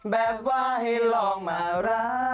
แบบว่าให้ลองมาร้า